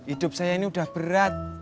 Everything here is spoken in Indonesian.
pok hidup saya ini udah berat